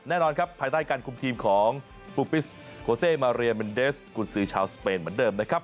แน่นอนครับภายใต้การคุมทีมของปูปิสโคเซมาเรียเมนเดสกุญสือชาวสเปนเหมือนเดิมนะครับ